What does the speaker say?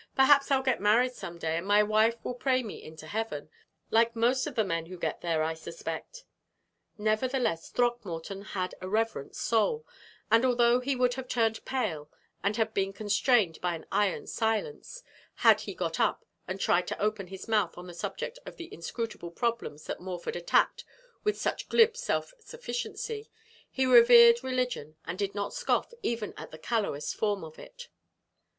"Perhaps I'll get married some day, and my wife will pray me into heaven, like most of the men who get there, I suspect." Nevertheless Throckmorton had a reverent soul, and, although he would have turned pale and have been constrained by an iron silence had he got up and tried to open his mouth on the subject of the inscrutable problems that Morford attacked with such glib self sufficiency, he revered religion and did not scoff even at the callowest form of it.